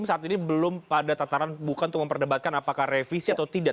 saat ini belum pada tataran bukan untuk memperdebatkan apakah revisi atau tidak